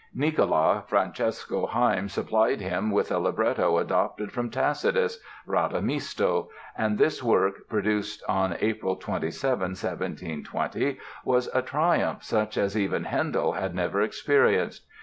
Nicola Francesco Haym supplied him with a libretto adapted from Tacitus, "Radamisto", and this work, produced on April 27, 1720, was a triumph such as even Handel had never experienced.